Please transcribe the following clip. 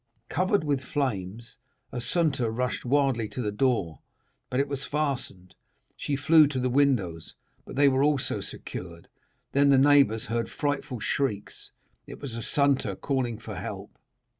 Covered with flames, Assunta rushed wildly to the door, but it was fastened; she flew to the windows, but they were also secured; then the neighbors heard frightful shrieks; it was Assunta calling for help.